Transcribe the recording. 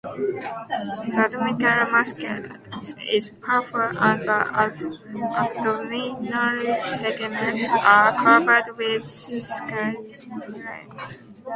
The abdominal musculature is powerful and the abdominal segments are covered with sclerotized plates.